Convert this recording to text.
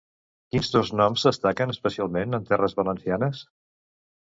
Quins dos noms destaquen especialment en terres valencianes?